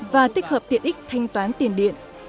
và tích hợp tiện ích thanh toán tiền điện